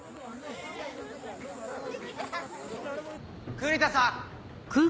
栗田さん！